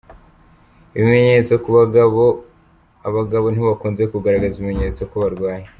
Ibimenyetso ku bagabo Abagabo ntibakunze kugaragaza ibimenyetso ko barwaye.